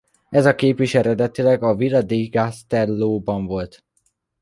Ez a kép is eredetileg a Villa di Castellóban volt.